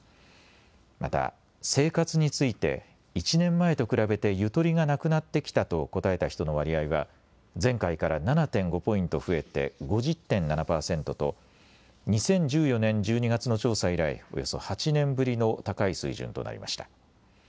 また生活について１年前と比べてゆとりがなくなってきたと答えた人の割合は前回から７．５ポイント増えて５０．７％と２０１４年１２月の調査以来、およそ８年ぶりの高い水準となりました。